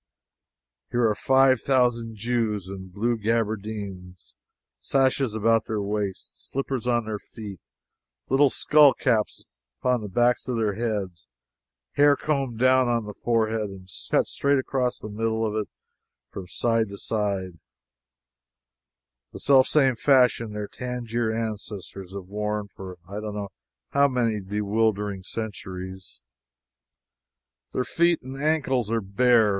Here are five thousand Jews in blue gabardines, sashes about their waists, slippers upon their feet, little skullcaps upon the backs of their heads, hair combed down on the forehead, and cut straight across the middle of it from side to side the selfsame fashion their Tangier ancestors have worn for I don't know how many bewildering centuries. Their feet and ankles are bare.